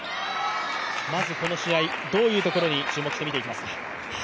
まずこの試合、どういうところに注目して見ていきますか？